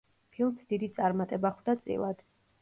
ფილმს დიდი წარმატება ხვდა წილად.